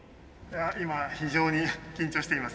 今非常に緊張しています。